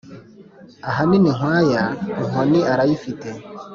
ahanini nkwaya inkoni arayifite !"